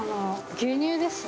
牛乳です。